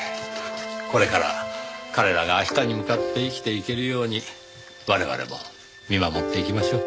これから彼らが明日に向かって生きていけるように我々も見守っていきましょう。